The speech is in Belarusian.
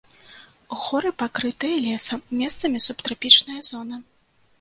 Горы, пакрытыя лесам, месцамі субтрапічная зона.